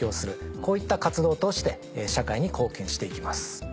こういった活動を通して社会に貢献して行きます。